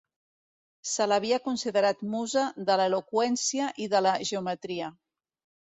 Se l'havia considerat musa de l'eloqüència i de la geometria.